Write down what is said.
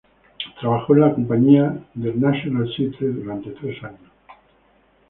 Trabajó en la compañía del Nacional Theatre durante tres años.